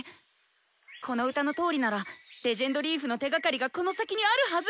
この歌のとおりなら「レジェンドリーフ」の手がかりがこの先にあるはず！